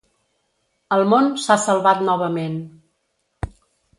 El món s'ha salvat novament.